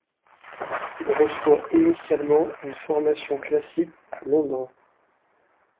Il reçoit initialement une formation classique à Londres.